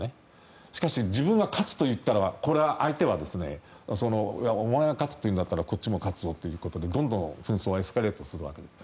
しかし、自分が勝つと言ったら相手はお前が勝つというんだったらこっちも勝つぞということでどんどん紛争はエスカレートするわけです。